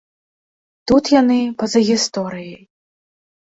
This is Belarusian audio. Тут яны па-за гісторыяй.